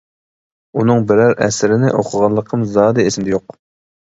ئۇنىڭ بىرەر ئەسىرىنى ئوقۇغانلىقىم زادى ئېسىمدە يوق.